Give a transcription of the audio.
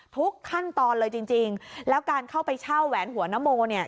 ทุกขั้นตอนเลยจริงจริงแล้วการเข้าไปเช่าแหวนหัวนโมเนี่ย